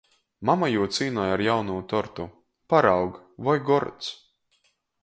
Mama jū cīnoj ar jaunū tortu: Paraug, voi gords!